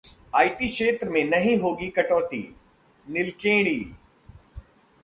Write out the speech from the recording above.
IT क्षेत्र में नहीं होगी कटौती: निलकेणी